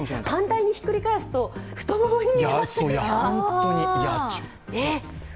反対にひっくり返すと太ももに見えません？